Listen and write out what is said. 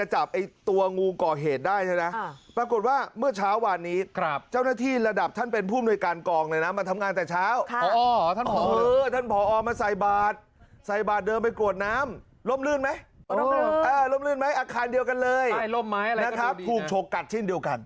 ให้ร่มไม้อะไรก็โดยดีนะนะครับถูกโฉกกัดที่เดียวกัน